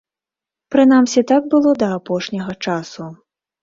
Прынамсі, так было да апошняга часу.